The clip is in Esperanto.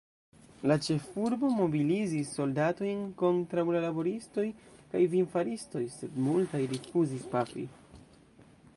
La ĉefurbo mobilizis soldatojn kontraŭ la laboristoj kaj vinfaristoj, sed multaj rifuzis pafi.